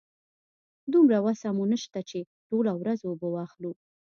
دومره وسه مو نشته چې ټوله ورځ اوبه واخلو.